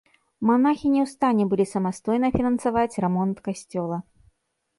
Манахі не ў стане былі самастойна фінансаваць рамонт касцёла.